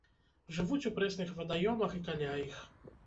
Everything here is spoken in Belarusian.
Жывуць у прэсных вадаёмах і каля іх.